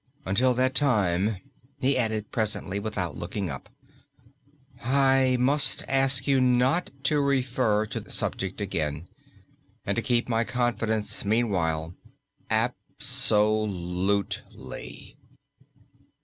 "Until that time," he added presently, without looking up, "I must ask you not to refer to the subject again and to keep my confidence meanwhile ab so lute ly."